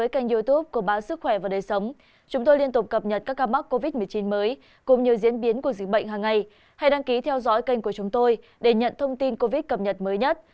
các bạn hãy đăng ký kênh của chúng tôi để nhận thông tin cập nhật mới nhất